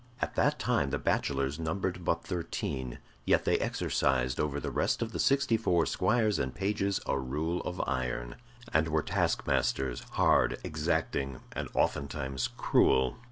At that time the bachelors numbered but thirteen, yet they exercised over the rest of the sixty four squires and pages a rule of iron, and were taskmasters, hard, exacting, and oftentimes cruel.